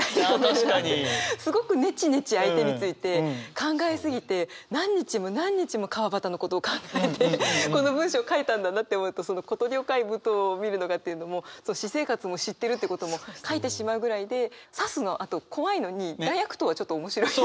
すごくネチネチ相手について考え過ぎて何日も何日も川端のことを考えてこの文章書いたんだなって思うとその「小鳥を飼い舞踏を見るのが」というのも私生活も知ってるってことも書いてしまうぐらいで「刺す」のあと怖いのに「大悪党」はちょっと面白い。